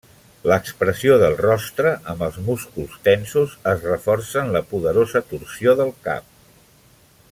L'expressió del rostre amb els músculs tensos es reforça en la poderosa torsió del cap.